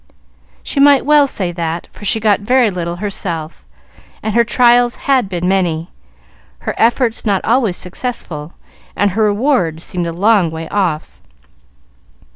She might well say that, for she got very little herself, and her trials had been many, her efforts not always successful, and her reward seemed a long way off.